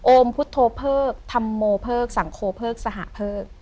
พุทธโภเพิกธรรโมเพิกสังคมเพิกสหเพิก